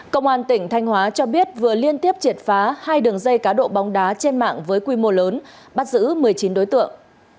công an tỉnh thanh hóa cho biết vừa liên tiếp triệt phá hai đường dây cá độ bóng đá trên mạng với quy mô lớn bắt giữ một mươi chín đối tượng